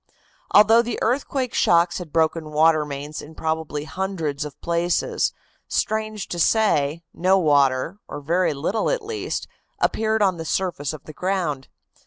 Although the earthquake shocks had broken water mains in probably hundreds of places, strange to say, no water, or very little at least, appeared on the surface of the ground.